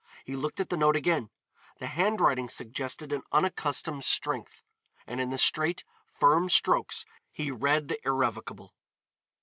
He looked at the note again. The handwriting suggested an unaccustomed strength, and in the straight, firm strokes he read the irrevocable.